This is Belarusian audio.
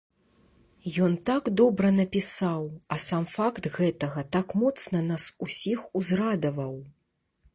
Ён так добра напісаў, а сам факт гэтага так моцна нас усіх узрадаваў!